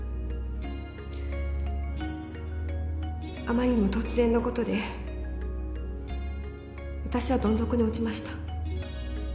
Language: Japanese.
あまりにも突然のことで私はどん底に落ちました。